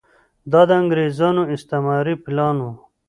دا د انګریزانو استعماري پلان و.